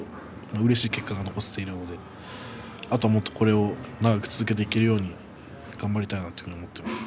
うれしい結果が残せているのであとはもっとこれを長く続けていけるように頑張りたいなと思っています。